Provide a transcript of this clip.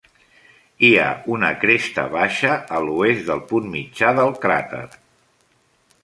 Hi ha una cresta baixa a l'oest del punt mitjà del cràter.